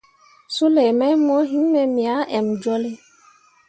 Sulei mai mo yinme, me ah emjolle.